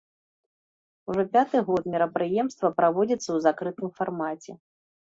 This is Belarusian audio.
Ужо пяты год мерапрыемства праводзіцца ў закрытым фармаце.